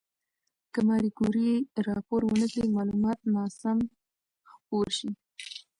که ماري کوري راپور ونکړي، معلومات به ناسم خپور شي.